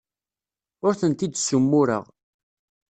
Ur tent-id-ssumureɣ.